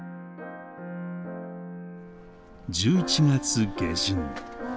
１１月下旬。